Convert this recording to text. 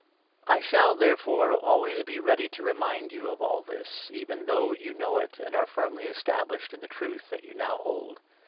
I shall, therefore, always be ready to remind you of all this, 12 even though you know it and are firmly established in the Truth that you now hold.